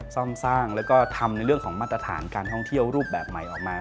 ซ่อมสร้างแล้วก็ทำในเรื่องของมาตรฐานการท่องเที่ยวรูปแบบใหม่ออกมา